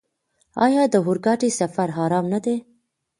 آیا د اورګاډي سفر ارام نه دی؟